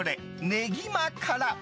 ねぎまから。